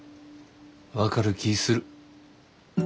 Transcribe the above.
分かる気ぃする。